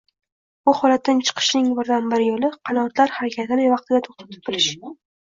bu holatdan chiqishning birdan-bir yo‘li qanotlar harakatini vaqtida to‘xtata bilish